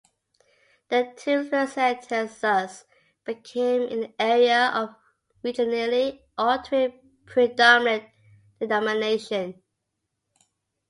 The Two Lusatias thus became an area of regionally altering predominant denomination.